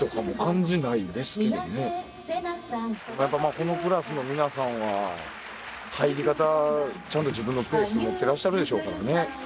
このクラスの皆さんは入り方ちゃんと自分のペース持ってらっしゃるでしょうからね。